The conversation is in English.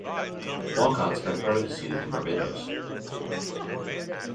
Walcott spent part of his youth in Barbados.